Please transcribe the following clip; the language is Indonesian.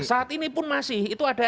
saat ini pun masih itu ada